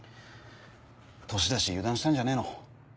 年だし油断したんじゃねえの？